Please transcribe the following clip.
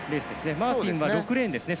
マーティンは６レーン。